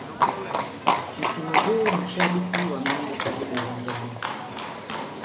msimu huu mashabiki wameanza kurudi uwanjani